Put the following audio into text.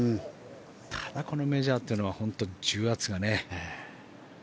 ただ、このメジャーというのは重圧がね。